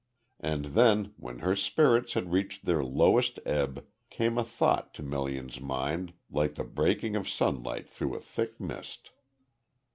And then when her spirits had reached their lowest ebb, came a thought to Melian's mind like the breaking of sunlight through a thick mist.